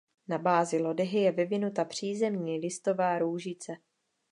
Na bázi lodyhy je vyvinuta přízemní listová růžice.